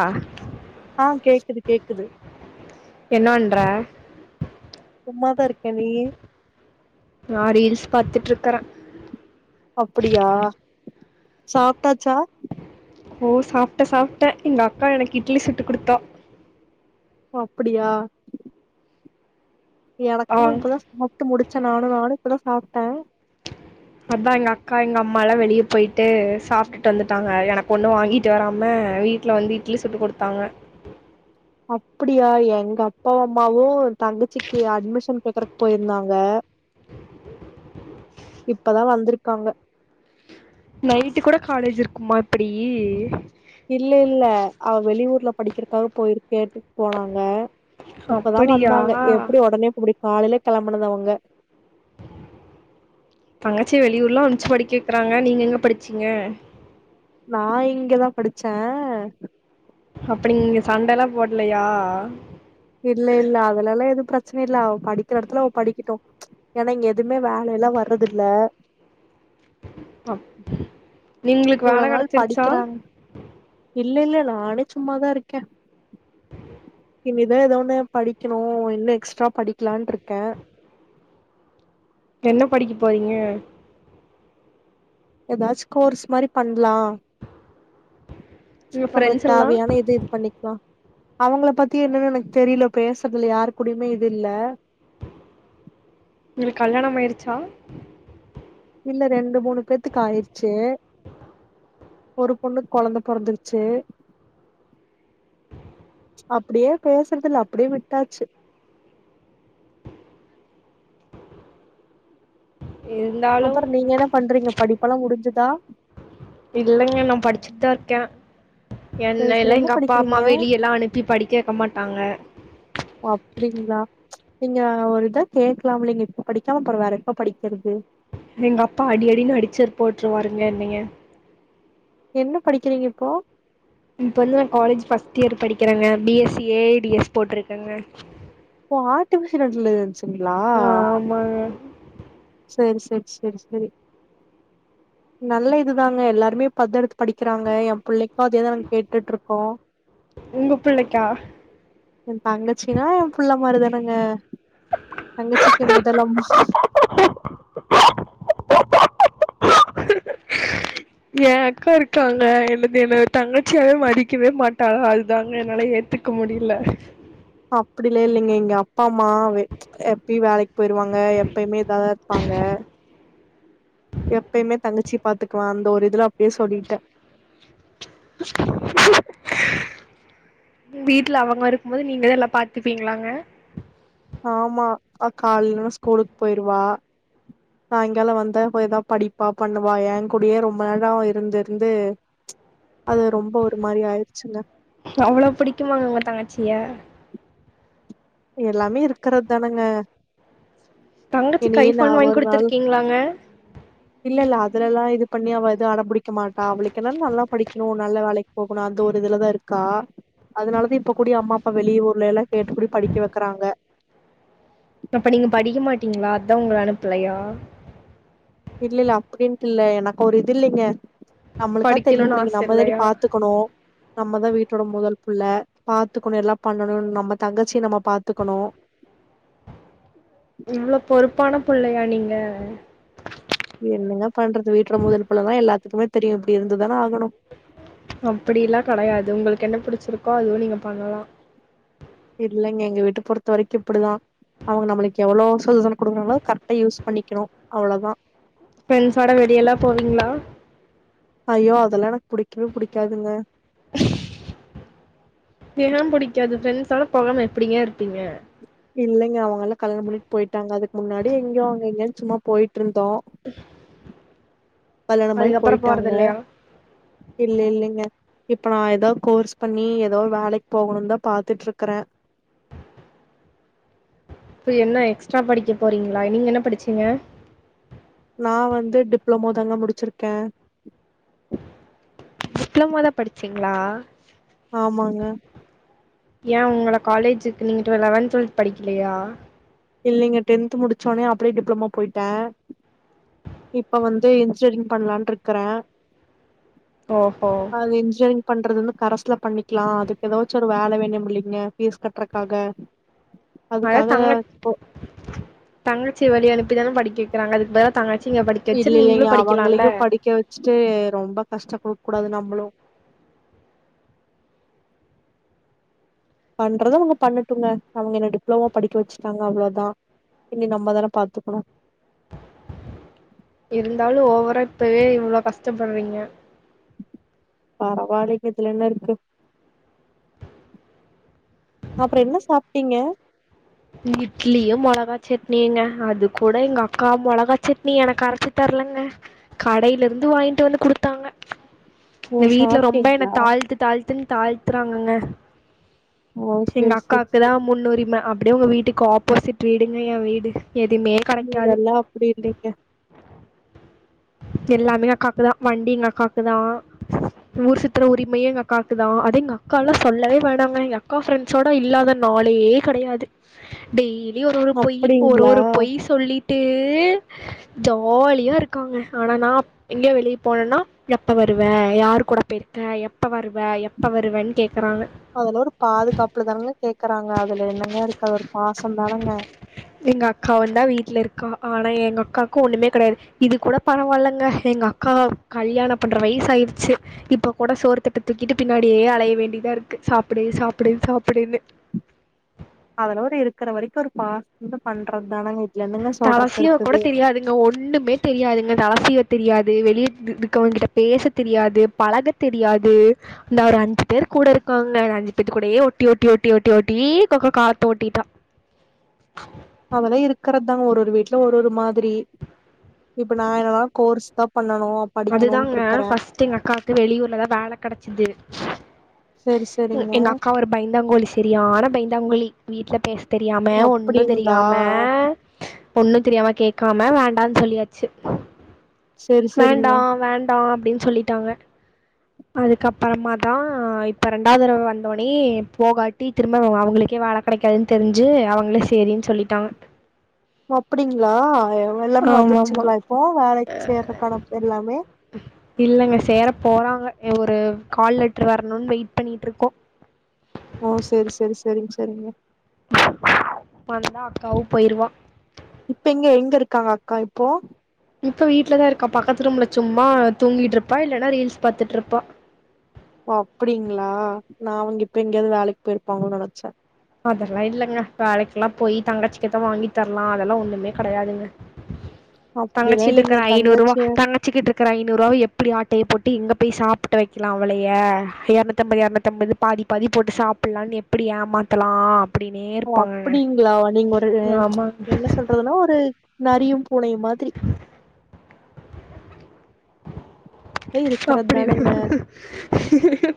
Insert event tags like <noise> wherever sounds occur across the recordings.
அ ஆ கேக்குது கேக்குது என்ன வண்ற சும்மா தா இருக்கே நீயி நான் ரீல்ஸ் பாத்துட்டுருக்குற அப்புடியா சாப்ட்டாச்சா ஓ சாப்ட்ட சாப்ட்ட எங்க அக்கா எனக்கு இட்லி சுட்டு குடுத்தா ஒ அப்புடியா ஆ எனக்கு இப்பதா சாப்ட்டு முடிச் ச நானு நானு இப்பதா சாப்ட்ட அதா எங்க அக்கா எங்க அம்மாலா வெளிய போயிட்டு சாப்பிட்டுட்டு வந்துட்டாங்க எனக் ஒன்னு வாங்கிட்டு வராம வீட்ல வந்து இட்லி சுட்டு குடுத்தாங்க அப்புடியா எங்க அப்பாவு அம்மாவு தங்கச்சிக்கு அட்மிஷன் கேக்கறக்கு போயிருந்தாங்க இப்பதா வந்துருக்காங்க நைட்டு கூட காலேஜ் இருக்குமா இப்புடி இல்ல இல்ல அவ வெளியூர்ல படிக்கிறக்காக போயிருக்கேட்டு போனாங்க இப்பதா அப்படியா வந்தாங்க எப்டி ஒடனே புடிக் காலைல கிளம்புனது அவுங்க தங்கச்சி வெளியூர்லா அம்ச்சு படிக்க வக்றாங்க நீங்க எங்க படிச்சீங்க நா இங்கதா படிச்சே அப்டி நீங்க சண்டைல்லா போட்லயா இல்ல இல்ல அதுலல்லா எது ப்ர ரச்சின இல்ல அவ படிக்கிற எடத்துல அவ படிக்கிட்டு ஏன்னா இங்க எதுவுமே வேல எல்லா வர்றது இல்ல அப் நீங்களுக்கு வேல நாள் கெடச்சிருச்சா படிக்கிறாங்க இல்ல இல்ல நானே சும்மாதா இருக்கே இனிதா ஏதோண்ணே படிக்கணு இன்னு எக்ஸ்ட்ரா படிக்கலான்ருக்க என்ன படிக்க போறீங்க ஏதாச்சு கோர்ஸ் மாரி பண்ணலா உங்க நம்மளுக்கு ஃப்ரெண்ட்ஸ் எல்லா தேவையான இது இது பண்ணிக்கலா அவங்கள பத்தி என்னன்னு எனக்கு தெரியல பேசுறதுல யாருக்குடியுமே இது இல்ல உங்களுக்கு கல்யாணம் ஆயிருச்சா இல்ல ரெண்டு மூணு பேத்துக்கு ஆயிருச்சு ஒரு பொண்ணு கொழந்த பொறந்துருச்சு அப்புடியே பேசுறதுல அப்டியே விட்டாச்சு இருந்தாலும் அப்புற நீங்க என்ன பண்றீங்க படிப்பல்லா முடிஞ்சு தா இல்லங்க நானபடிச்சுட்டு தா இருக்கே சரி என்ன் சரி எல்லா என்ன எங்க அப்பா அம்மா படிக்கிறீங்க வெளிய எல்லாம் அனுப்பி படிக்க வக்க மாட்டாங்க அப்டிங்களா நீங்க ஒரு இதா கேட்கலாம்லைங்க இப்ப படிக்காம அப்பற வேற எப்போ படிக்கிறது எங்க அப்பா அடி அடினு அடிச்சர் போட்டுருவாருங்க என்னய என்ன படிக்கிறீங்க இப்போ இப்ப வந்து நா காலேஜ் ஃபஸ்ட் இயர் படிக்கிறேங்க பிஎஸ்சி ஏ ஏ டிஎஸ் போட்டிருக்கேங்க இது ஆர்டிபிஷியல் இன்ட்டலிஜன்ஸ் அ ஆமாங்க சேரி சேரி சேரி செரி நல்ல இதுதாங்க எல்லாருமே இப்ப அதா எடுத்து படிக்கிறாங்க எ பிள்ளை அத கேட்டுட்டு இருக்கோ உங்க பிள்ளைக்கா என் தங்கச்சின்னா என் புள்ள மாரிதான தங்கச்சிக்கு முதலம்மா ஏ அக்கா இருக்காங்க என்னது என்ன தங்கச்சியாவே மதிக்கவே மாட்டாங்கா அதுதாங்க என்னால ஏத்துக்க முடில அப்படிலால்லைங்க எங்கப் பாமா வெ எப்பயூ வேலைக்கு போயிருவாங்க எப்பயுமே இதாதா இருப்பாங்க எப்பயுமே தங்கச்சி பாத்துக்குவா அந்த ஒரு இதுல தே சொல்லிட்டே வீட்ல அவுங்க இருக்கும்போது நீங்கதா எல்லா பாத்துப்பீங்களாங்க ஆமா அ காலைலன்னா ஸ்கூலுக் போயிருவா சாய்ங்காலோ வந்தா ஏதா படிப்பா பண்ணுவா ஏங் கூடயே ரொம்ப அழகா இருந்திருந்து அவ்ளோ புடிக்குமாங்க உங்க தங்கச்சிய எல்லாமே இருக்றத் தானேங்க இனி தங்கச்சிக்கு நா ஐஃபோன் வாங்கி ஒரு நாள் குடுத்துருக்கீங்களாங்க இல்லல்ல அதுலல்லா இது பண்ணி அவ எது அடம்பிடிக்க மாட்டா அவளுக்கு என்ன நல்லா படிக்கணூ நல்ல வேலைக்கு போகணூ அந்த ஒரு இதுலதாருக்கா அதனாலதா இப்ப கூடி அம்மா அப்பா வெளியூர்ல எல்லா கேட்டு குடி அப்ப நீங்க படிக்க மாட்டீங்ளா தா உங்கள அனுப்லயா இல்லல்ல அப்டின்ட்டு இல்ல எனக்கு ஒரு இது இல்லைங்க நம்மளுக்கா படிக்கணுனு தெரியும்லைங்க ஆச நம்மளேனி இல்லையா பாத்துக்கணூ நம்மதா வீட்டோட மொதல் புள்ள பாத்துக்கணூ எல்லா பண்ணணூனு நம்ம தங்கச்சி நம்ம பாத்துக்கணூ இவ்ளோ பொறுப்பான புள்ளையா நீங்க என்னங்க பண்றது வீட்ல மொதல் புள்ள தா எல்லாத் திப்பவே தெரியூ இப்டி இருந்துர் அப்டில்லா கெடையாது உங்களுக்கு என்ன புடிச் ச்சுருக்கோ அதுவூ நீங்க பண்லா இல்லைங்க எங்க வீட்ட பொறுத்த வரைக்கூ இப்டிதா அவுங்க நம்மளுக்கு எவ்ளோ சூதசனோ குடுக்றாங்களோ கரிக்டா யூஸ் பண்ணிக்கணூ அவ்ளோதா ஃப்ரெண்ட்ஸோட வெளியெல்லா போவீங்ளா ஐயோ அதெல்லா எனக்கு புடிக்கவே புடிக்காதுங்க <inaudible> <unintelligible> பிடிக்காது ப்ரெண்ட்ஸோட போகாம எப்டிங்கருப்பீங்க இல்லைங்க அவங்கெல்லா கல்யாணம் பண்ணிட் போயிட்டாங்க அதுக்கு முன்னாடி எங்கியோ அவுங்க எங்கியோன் சும்மா போயிட்ருந்தோ <inaudible> கல்யாணமாயி அதுக்கப்புற போறது போயிட்டாங்க இல்லையா இல்லல்லேங்க இப்ப நா ஏதா கோர்ஸ் பண்ணி ஏதோ வேலைக்கு போகணூந்தா பாத்துட்ருக்றே இப்ப என்ன எக்ஸ்ட்ரா படிக்க போறீங்களா நீங்க என்ன படிச்சீங்க நா வந்து டிப்ளமோ தாங்க முடிச்சிருக்கே டிப்ளோமா தா படிச்சீங்ளா ஆமாங்க ஏ உங்கள காலேஜுக்கு நீங் டுவ லெவன்த் டுவெல்த் படிக்கலையா இல்லைங்க டென்த் முடிச்சோனே அப்டியே டிப்ளமா போயிட்டே இப்ப வந்து இன்ஜினியரிங் பண்ணலான்ட்ருக்றே ஓஹோ பண்றது வந்து கரஸ்ல பண்ணிக்லா அதுக்கு ஏதாச்சு ஒரு வேல வேணூமுலிங்க ஃபீஸ் கட்றக்காக அதா தங்கச் தங்கச்சி வெளிய அனுப்பி தானே படிக்க வக்கிறாங்க அதுக்கு பதிலா தங்க இல்ல இல்லங்க அவங்களையும் படிக்க வச்சுட்டு ரொம்ப கஷ்ட குடு கூடாது நம்மளு பண்றத அவங்க பண்ணட்டுங்க அவங்க என்ன டிப்ளமோ படிக்க வச்சுட்டாங்க அவ்வளதா இனி நம்மதான பாத்துக்கணு இருந்தாலும் ஓவரா இப்பவே இவ்ளோ கஷ்டப்படுறீங்க பரவாலங்க இதுல என்ன இருக்கு அப்புறம் என்ன சாப்ட்டீங்க இட்லியும் மொளகா சட்னிங்க அது கூட எங்க அக்கா மொளகா சட்னி எனக்கு அரைச்சி தரலங்க கடையில இருந்து வாங்கிட்டு வந்து குடுத்தாங்க இந்த ஓ வீட்ல ரொம்ப என்ன சாப்ட்டீங்களா தாழ்த்து தாழ்த்துன் தாழ்த்துறாங்கங்க ஓ எங்க செரி செரி அக்காக்குதா செரி முன்னுரிம உங்க வீட்டுக்கு ஆப்போசிட் வீடுங்க ஏ வீடு எதுவுமே கெடைக்காது வீடெல்லா அப்டி இல்லங்க எல்லாமே அக்காக்குதா வண்டி எங்க அக்காக்குதா ஊர் சுத்துற உரிமையு எங்க அக்காக்குதா அது எங்க அக்கால்லா சொல்லவே வேண்டாங்க எங்க அக்கா ஃப்ரெண்ட்ஸோட இல்லாத நாளே கெடையாது டெய்லி ஒரு ஒரு பொய் ஒரு அப்டிங்களா ஒரு பொய் சொல்லிட்டு ஜாலியா இருக்காங்க ஆனா நா எங்கய வெளியே போனேன்னா எப்ப வருவ யார் கூட போயிருக்க எப்ப வருவ எப்ப வருவன்னு கேக் அதுல ஒரு பாதுகாப்புல தானங்க கேக்குறாங்க அதுல என்னங்க இருக்கு ஒரு பாசம் தானுங்க எங்க அக்காவுந்தா வீட்ல இருக்கா ஆனா எங்க அக்காக்கு ஒண்ணுமே கெடையாது இது கூட பரவால்லைங்க எங்க அக்கா கல்யாண பண்ற வயசு ஆயிடுச்சு இப்ப கூட சோர் தட்ட தூக்கிட்டு பின்னாடியே அலைய வேண்டிதா இருக்கு சாப்பிடு சாப்பிடு சாப்பிடுன்னு அதலோ இருக்கிற வரைக்கு ஒரு பாசதுல பண்றது தானுங்க தலசீவ கூட தெரியாதுங்க ஒண்ணுமே தெரியாதுங்க தலசீவ தெரியாது வெளிய இருக்கவங்கிட்ட பேச தெரியாது, பழக தெரியாது. இந்த ஒரு அஞ்சு பேர் கூட இருக்காங்க அஞ்சு பேத்துகூடயே ஒட்டி ஒட்டி ஒட்டி ஒட்டி ஒட்டிக்க காலத்த ஓட்டிட்டா அதெல்லாம் இருக்கிறது தா ஒரு ஒரு வீட்டுல ஒரு ஒரு மாதிரி. இப்ப நான் என்னல்லாம் கோர்ஸ் தான் பண்ண அதுதாங்க ஃபஸ்ட் எங்க அக்காக்கு வெளியூர்லதான் வேலை கெடச்சது. செரி செரிங்க எங்க அக்கா ஒரு பைந்தாங்கோலி சரியானா பைந்தாங்கோலி வீட்டுல பேஸ் தெரியாம ஒன்னும் அப்டிங்களா தெரியாம ஒண்ணும் தெரியாம கேட்காம வேண்டான்னு சொல்லியாச்சு. செரி செரிங்க வேண்டாம் வேண்டாம் அப்படின்னு சொல்லிட்டாங்க. அதுக்கப்பறமா தான் இப்ப ரெண்டாவுதடவ வந்தோனே போகாட்டி திரும்ப அவங்களுக்கே வேல கிடைக்காதுன்னு தெரிஞ்சு அவங்களே சரின்னு சொல்லிட்டாங்க. அப்படிங்களா எல்லாமே ஆமாம் ஆமாம் வந்துருச்சுங்களா இப்போ வேலைக்கு சேர்ரக்கான எல்லாமே இல்லைங்க சேர போகிறாங்க ஒரு கால் லெட்டரு வரணும்னு வெயிட் பண்ணிட்டு இருக்கோம். ஓ சரி சரி சரிங்க சரிங்க. வந்தா அக்காவும் போயிருவா. இப்ப எங்க எங்க இருக்காங்க அக்கா இப்போ. இப்ப வீட்டுலதா இருக்கா பக்கத்து ரூம்ல சும்மா தூங்கிட்டு இருப்பா இல்லன்னா ரீல்ஸ் பாத்துட்டு இருப்பா. அப்படிங்களா நான் அவங்க இப்ப எங்கேயாவது வேலைக்கு போயிருப்பாங்கனு நெனச்சன். அதெல்லாம் இல்லைங்க வேலைக்கெல்லாம் போய் தங்கச்சிக்கதான் வாங்கி தரலாம் அதெல்லாம் ஒண்ணுமே கிடையாதுங்க. அப்டிலா தங்கச்சிகிட்டே இல்லைங்க இருக்கற என் ஐநூரூவா தங்கச்சி தங்கச்சிக்கிட்ட இருக்கற ஐநூறு ரூபா எப் அப்படி ஆட்டையை போட்டு எங்கே போய் சாப்படட வைக்கலாம் அவளைய இரநூத்தம்பது, இரநூத்தம்பது பாதி பாதி போட்டு சாப்பிட்லான்னு எப்படி ஏமா பலாம் ஓ அப்படிங்களா நீங்க ஒரு ஆமாங்க என்ன சொல்றதுன்னா ஒரு நரியும் பூனையும் மாதிரி. இருக்கிறது தானங்க அப்படிதான். <inaudible>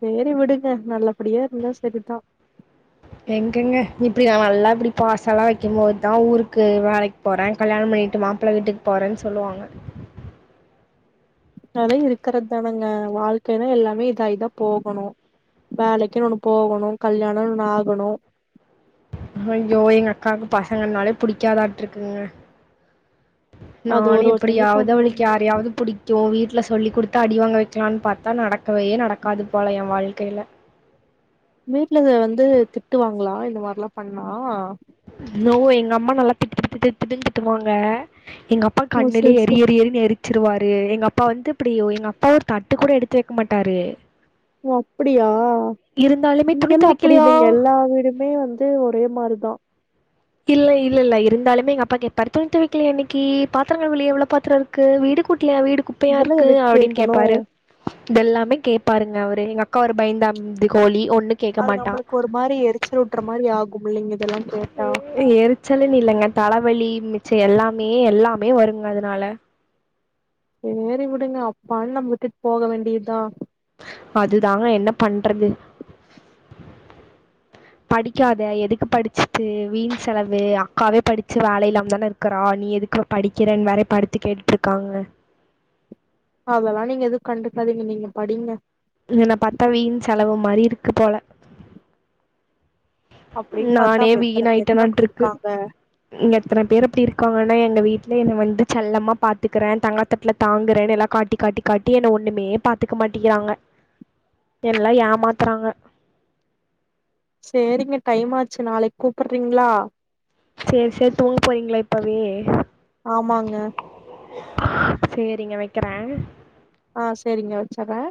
சேரி விடுங்க நல்லபடியா இருந்தா சரிதான். எங்கெங்க இப்படி நான் நல்லா இப்படி பாசமெல்லாம் வைக்கும்போதுதான் ஊருக்கு வேலைக்கு போறேன் கல்யாணம் பண்ணிட்டு மாப்பிளை வீட்டுக்கு போறேன்னு சொல்லுவாங்க. அது இருக்கறதானுங்க வாழ்க்கைனா எல்லாமே இதா இதா போகணும். வேலைக்கு ஒண்ணு போகணும் கல்யாணம் ஒண்ணு ஆகணும். ஐயோ எங்க அக்காவுக்கு பசங்கனாலே புடிக்காதாட்டு இருக்குங்க. அது ஒரு நானும் ஒருத்தவங்களுக்கு எப்படியாவது ஒவ்வொரு அவளுக்கு யாரையாவது புடிக்கும் வீட்டுல சொல்லி குடுத்து அடிவாங்க வைக் இருக்கலான்னு பார்த்தா நடக்கவே நடக்காது போல என் வாழ்க்கையில. வீட்டுலர்ந்து திட்டுவாங்களா இந்த மாதிரில்லாம் பண்ணா. நோ எங்க அம்மா நல்லா திட்டுட்டு திட்டு திட்டுன்னு திட்டுவாங்க. எங்க அப்பா ஓ சரி கண்ணுலயே எரி சரி எரினு எரிச்சிருவாரு. எங்க அப்பா அப்பா வந்து இப்படி ஒ எங்க அப்பாவ ஒரு தட்டு கூட எடுத்து வைக்க மாட்டாரு. ஓ அப்படியா இருந்தாலுமே இங்க துணி எல்லாம் அப்படி துவைக்கலையா இல்லைங்க எல்லா வீடுமே வந்து ஒரு அதே மாதிரிதான். இல்ல இல்ல இல்ல இருந்தாலுமே எங்க அப்பா கேப்பாரு துணி துவைக்கலயா இன்னிக்கி, பாத்திரம் கழுவலயா, இவ்வளவு பாத்திரம் இருக்கு. வீடு கூட்டி ல்லையா வீடு குப்பையா இதெல்லா இருக்கு எதுக்கு அப்படின்னு கேக்கணு கேட்பாரு. இதெல்லாமே கேட்பாருங்க அவரு எங்க அக்கா ஒரு பயந்தாங்கோலி ஒன்ன அது நம்பளுக்கு ஒரு மாரி எரிச்சல் வூட்ற மாரி ஆகும் இல்லெங்க இதெல்லா கேட் எரிச்சலுன்னு இல்லங்க த லவலி மிச்ச எல்லாமே எல்லாமே வருங்க அதனால சேரி விடுங்க அப்பானு நம்ம விட்டுட்டு போக வேண்டியதான் அதுதாங்க என்ன பண்றது படிக்காதே எதுக்கு படிச்சிட்டு வீண் செலவு அக்காவே படிச்சு வேல இல்லாம தானே இருக்கறா நீ எதுக்கு படிக்கிறே வேற இப்படித்து கேட்டுட்ருக்காங்க அதனாலே நீங்க எதுவும் கண்டுக்காதீங்க நீங்க படிங்க என்ன பாத்தா வீண் செலவு மாரி இருக்கு போல அப்டின்னு பாத்தா நானே அப்ப எத்தன பேருங்க வீணாய்ட்டனான்ட்டு அப்டி இருக்கு இருக்காங்க இங்க எத்தன பேர் அப்டி இருக்காங்க ஆனா எங்க வீட்ல என்ன வந்து செல்லமா பாத்துக்கறன் தங்கத்தட்டுல தாங்குறேன் எல்லா காட்டி காட்டி காட்டி என்ன ஒண்ணுமே பாத்துக்க மாட்டிக்கிறாங்க எல்லா ஏமாத்றாங்க சேரிங்க டைம் ஆச்சு நாளைக்கு கூப்பட்றீங்ளா சேரி சேரி தூங்க போறீங்களா இப்பவே ஆமாங்க சேரிங்க வெக்கறேன் ஆஹ் சேரிங்க வெச்சறேன்